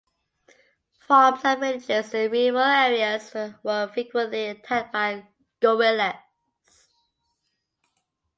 Farms and villages in rural areas were frequently attacked by guerrillas.